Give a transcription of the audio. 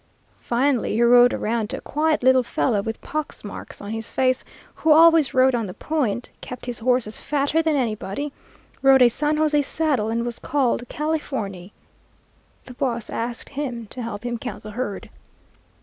Finally he rode around to a quiet little fellow, with pox marks on his face, who always rode on the point, kept his horses fatter than anybody, rode a San José saddle, and was called Californy. The boss asked him to help him count the herd.